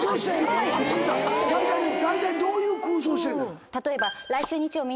だいたいどういう空想してんねん？